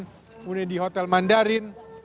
kemudian di hotel mandarin